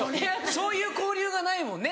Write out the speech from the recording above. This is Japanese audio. そういう交流がないもんね